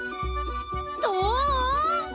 どう？